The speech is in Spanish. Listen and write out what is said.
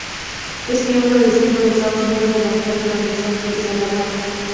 Es miembro del Centro de Estudios de la Mujer de la Universidad de Salamanca.